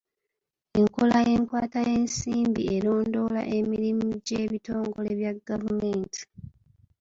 Enkola y'enkwata y'ensimbi erondoola emirimu gy'ebitongole bya gavumenti.